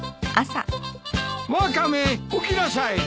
ワカメ起きなさい。